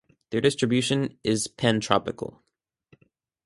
Their distribution is pantropical.